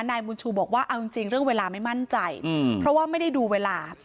นายบุญชูบอกว่าเอาจริงเรื่องเวลาไม่มั่นใจเพราะว่าไม่ได้ดูเวลา